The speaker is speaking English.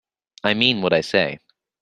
I mean what I say.